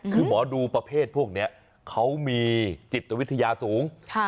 คือหมอดูประเภทพวกนี้เขามีจิตวิทยาสูง